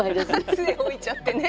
杖置いちゃってね。